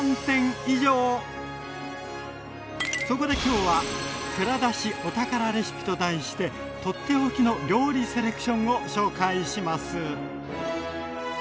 そこで今日は「蔵出し！お宝レシピ」と題して取って置きの料理セレクションを紹介します。